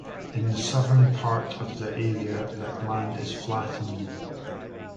In the southern part of the area the land is flat and low.